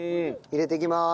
入れていきます。